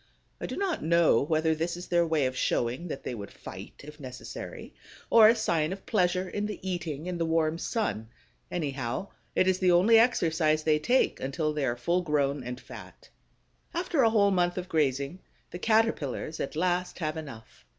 I do not know whether this is their way of showing that they would fight, if necessary, or a sign of pleasure in the eating and the warm sun. Anyhow, it is the only exercise they take until they are full grown and fat. After a whole month of grazing, the Caterpillars at last have enough.